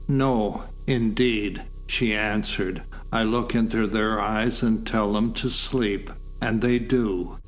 "No, indeed!" she answered. "I look into their eyes and tell them to sleep and they do.